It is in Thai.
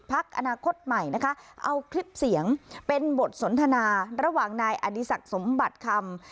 พักอนาคตใหม่นะคะเอาคลิปเสียงเป็นบทสนทนาระหว่างนายอดีศักดิ์สมบัติคำ